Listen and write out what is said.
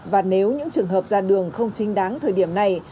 và nếu những trường hợp ra đường không chính đáng thời điểm này